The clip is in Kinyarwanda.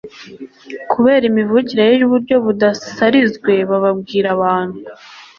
Kubera imivukire ye y'uburyo budasarizwe babwiraga abantu